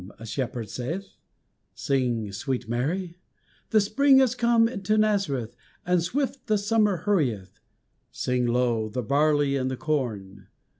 a shepherd saith; Sing, sweet Mary, "The Spring is come to Nazareth And swift the Summer hurrieth." Sing low, the barley and the corn!